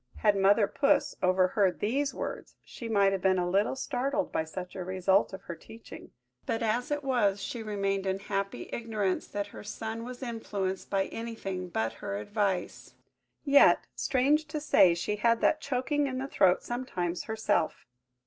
Had Mother Puss overheard these words, she might have been a little startled by such a result of her teaching: but, as it was, she remained in happy ignorance that her son was influenced by anything but her advice ... Yet, strange to say, she had that choking in the throat sometimes herself!